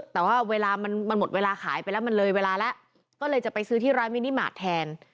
แต่ว่าเวลามันหมดเวลาขายไปแล้วมันเลยเวลาแล้วก็เลยจะไปซื้อที่ร้านมินิมาตรแทน